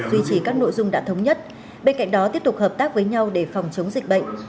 duy trì các nội dung đã thống nhất bên cạnh đó tiếp tục hợp tác với nhau để phòng chống dịch bệnh